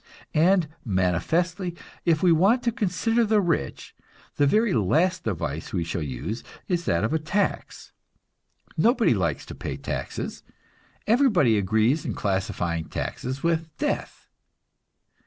And manifestly, if we want to consider the rich, the very last device we shall use is that of a tax. Nobody likes to pay taxes; everybody agrees in classifying taxes with death.